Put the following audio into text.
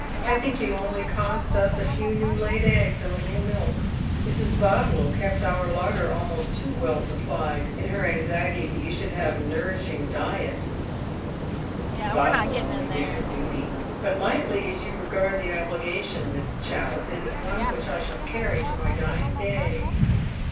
I think j'ou only cost us a few new laid eggs and a little milk. Mrs. Bodlow kept our larder almost too well supplied in her anxiety that you ehould Lave nourishing diet" 274 Dead Men^s &ho6S. " Mis. B(i(1]ow only did her duty. But lightly as you regard the obligation, Miss Challice, it is one which I shall caiTy to my dying day.